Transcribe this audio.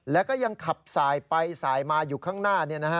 แล้วก็ยังขับสายไปสายมาอยู่ข้างหน้า